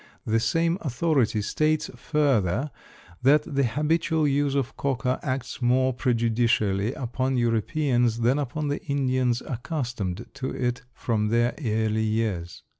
The same authority states further that the habitual use of coca acts more prejudicially upon Europeans than upon the Indians accustomed to it from their early years.